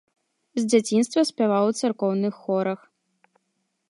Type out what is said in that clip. З дзяцінства спяваў у царкоўных хорах.